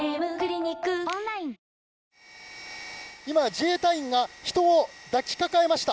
自衛隊員が人を抱きかかえました。